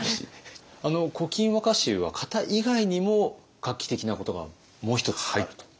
あの「古今和歌集」は型以外にも画期的なことがもう一つあると。